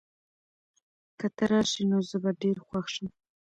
که ته راشې، نو زه به ډېر خوښ شم.